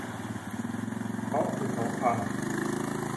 ท้องผุท้องพัง